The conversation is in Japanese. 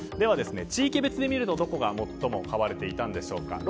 地域別に見ると、どこが最も買われていたんでしょうか。